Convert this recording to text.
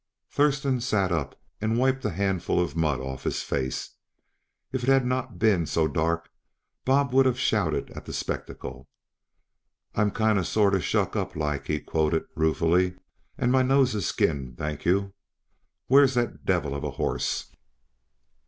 Thurston sat up and wiped a handful of mud off his face; if it had not been so dark Bob would have shouted at the spectacle. "I'm 'kinda sorter shuck up like,"' he quoted ruefully. "And my nose is skinned, thank you. Where's that devil of a horse?"